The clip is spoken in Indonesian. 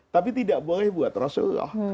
tapi tidak boleh buat rasulullah